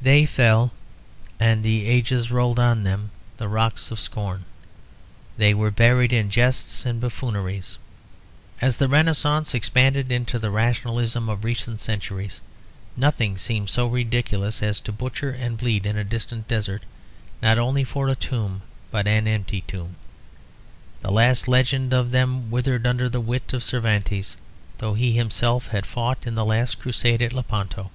They fell, and the ages rolled on them the rocks of scorn; they were buried in jests and buffooneries. As the Renascence expanded into the rationalism of recent centuries, nothing seemed so ridiculous as to butcher and bleed in a distant desert not only for a tomb, but an empty tomb. The last legend of them withered under the wit of Cervantes, though he himself had fought in the last Crusade at Lepanto.